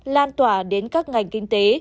lan tỏa đến các ngành kinh tế